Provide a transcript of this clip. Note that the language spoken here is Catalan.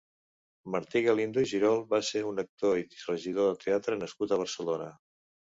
Martí Galindo i Girol va ser un actor i regidor de teatre nascut a Barcelona.